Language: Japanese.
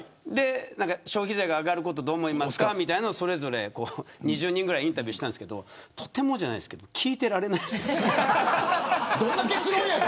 消費税が上がることどう思いますかというのを２０人ぐらいインタビューしましたがとてもじゃないですが聞いてられないです。